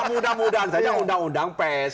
mudah mudahan saja undang undang pes